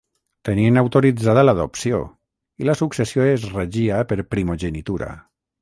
Tenien autoritzada l'adopció i la successió es regia per primogenitura.